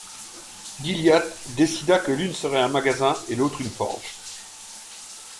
Gilliatt décida que l’une serait un magasin, et l’autre une forge.